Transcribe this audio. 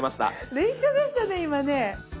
連写でしたね今ね。